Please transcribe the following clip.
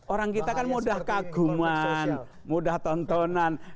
orang kita kan mudah kaguman mudah tontonan